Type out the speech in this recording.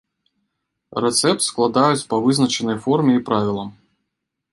Рэцэпт складаюць па вызначанай форме і правілам.